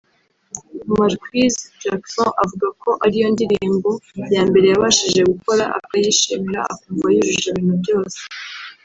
Marquise Jackson avuga ko ariyo ndirimbo ya mbere yabashije gukora akayishimira akumva yujuje ibintu byose